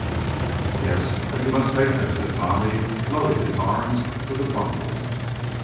"Yes, but you must take them," said Tommy, loading his arms with the bundles.